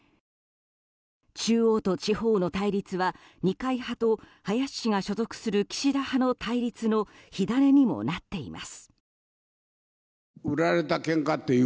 中央と地方の対立は、二階派と林氏が所属する岸田派の対立の火種にもなっています。